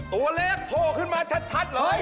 ตัวเล็กโผล่ขึ้นมาชัดเลย